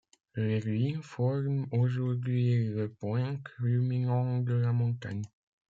Les ruines forment aujourd'hui le point culminant de la montagne.